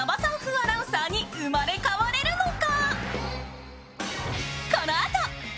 アナウンサーに生まれ変われるのか？